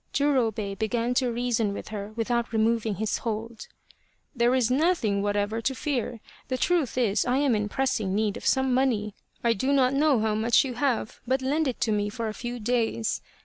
Jurobei began to reason with her without removing his hold :" There is nothing whatever to fear ! The truth is I am in pressing need of some money. I do not know how much you have, but lend it to me for a few days.